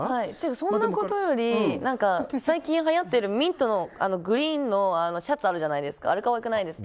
そんなことより最近はやってるミントグリーンのシャツあるじゃないですか。